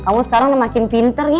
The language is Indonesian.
kamu sekarang udah makin pinter nih